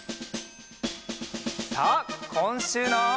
さあこんしゅうの。